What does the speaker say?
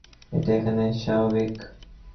এটা এখানে স্বাভাবিক।